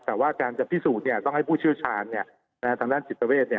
แต่ว่าการจะพิสูจน์เนี่ยต้องให้ผู้ชื่อชาญเนี่ยทางด้านจิตเวชเนี่ย